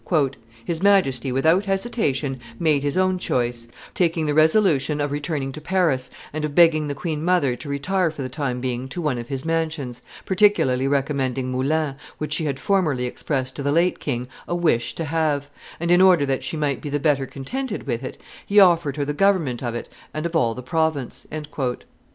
"His Majesty, without hesitation, made his own choice, taking the resolution of returning to Paris and of begging the queen mother to retire for the time being to one of his mansions, particularly recommending Moulins, which she had formerly expressed to the late king a wish to have; and, in order that she might be the better contented with it, he offered her the government of it and of all the province."